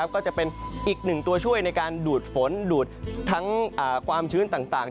ก็จะเป็นอีกหนึ่งตัวช่วยในการดูดฝนดูดทั้งความชื้นต่าง